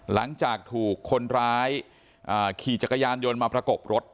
หลังจากถูกคนร้ายขี่จักรยานยนต์มาประกบรถ